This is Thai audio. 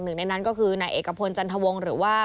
หนึ่งในนั้นก็คือนายเอกพลจันทวงศ์หรือว่า